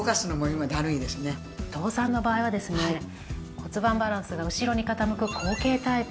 骨盤バランスが後ろに傾く後傾タイプですね。